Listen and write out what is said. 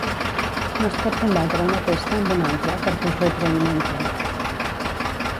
No es pot combatre una pesta amb una altra perquè es retroalimenten.